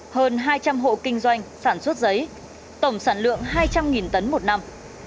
hơn hai trăm linh hộ kinh doanh sản xuất giấy tổng sản lượng hai trăm linh tấn một năm